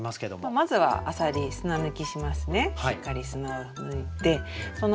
まずはあさり砂抜きしますね。